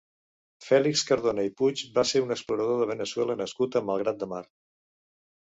Fèlix Cardona i Puig va ser un explorador de Veneçuela nascut a Malgrat de Mar.